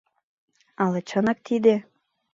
Ала чынак тиде?